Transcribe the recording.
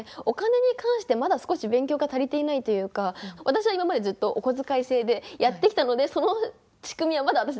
お金に関してまだ少し勉強が足りていないというか私は今までずっとお小遣い制でやってきたのでその仕組みはまだ。